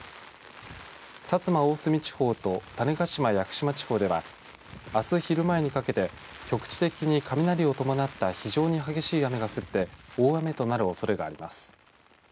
薩摩大隅地方と種子島、屋久島地方ではあす昼前にかけて局地的に雷を伴った非常に激しい雨が降って大雨となるおそれがあります。